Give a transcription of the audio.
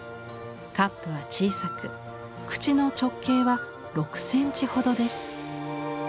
カップは小さく口の直径は６センチほどです。